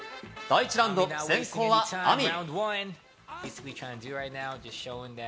第１ラウンド、先行はアミ。